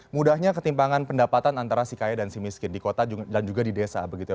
mudahnya ketimpangan pendapatan antara si kaya dan si miskin di kota dan juga di desa begitu ya